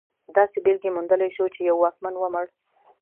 داسې بېلګې موندلی شو چې یو واکمن ومړ.